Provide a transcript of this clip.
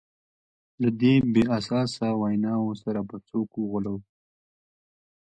له دې بې اساسه ویناوو سره به څوک وغولوو.